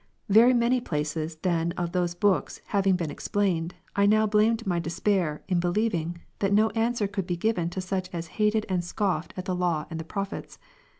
Very many places then of those books P/j^?'o having been explained, I now blamed my despair, in be 6. lieving, that no answer could be given to such as hated and scoffed " at the Law and the Prophets.